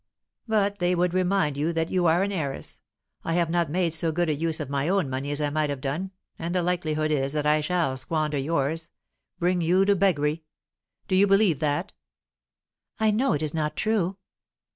"But they would remind you that you are an heiress. I have not made so good a use of my own money as I might have done, and the likelihood is that I shall squander yours, bring you to beggary. Do you believe that?" "I know it is not true."